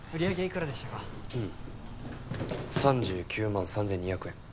３９万３２００円。